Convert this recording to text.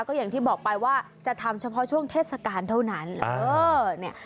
ก็อย่างที่บอกไปว่าจะทำเฉพาะช่วงเทศกาลเท่านั้นเออเนี่ย